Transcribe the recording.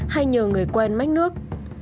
hay nhờ người quen mách nước